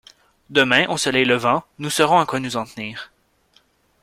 Demain, au soleil levant, nous saurons à quoi nous en tenir.